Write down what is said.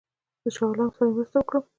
د شاه عالم سره مرسته وکړم.